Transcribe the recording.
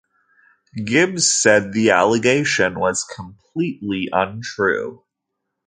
Gibbs said the allegation was completely untrue.